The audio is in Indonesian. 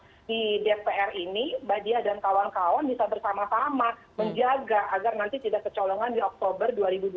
nah di dpr ini mbak dia dan kawan kawan bisa bersama sama menjaga agar nanti tidak kecolongan di oktober dua ribu dua puluh